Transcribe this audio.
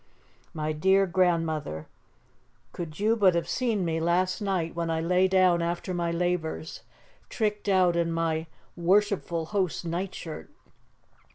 My dear grandmother, could you but have seen me last night, when I lay down after my labours, tricked out in my worshipful host's nightshirt!